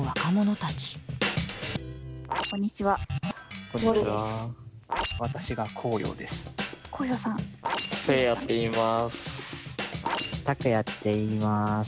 たくやっていいます。